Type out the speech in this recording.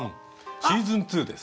シーズン２です。